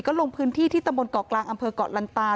ก็ลงพื้นที่ที่ตำบลเกาะกลางอำเภอกเกาะลันตา